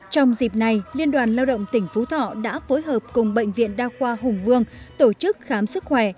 trong dịp này liên đoàn lao động tỉnh phú thọ đã phối hợp cùng bệnh viện đa khoa hùng vương tổ chức khám sức khỏe